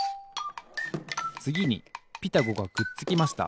つぎに「ピタゴ」がくっつきました。